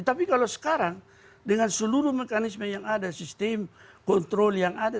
tapi kalau sekarang dengan seluruh mekanisme yang ada sistem kontrol yang ada